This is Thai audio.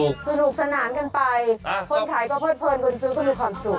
สนุกสนานกันไปคนขายก็เพิดเพลินคนซื้อก็มีความสุข